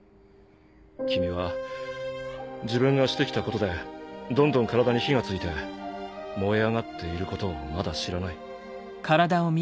君は自分がして来たことでどんどん体に火が付いて燃え上がっていることをまだ知らない。